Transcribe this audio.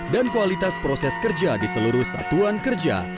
dan kualitas proses kerja di seluruh satuan kerja